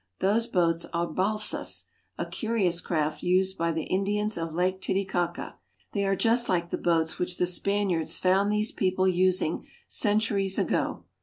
Those boats are bal'sas, a curious craft used by the Indians of Lake Titicaca. They are just like the boats which the Spaniards found these people using centuries ago.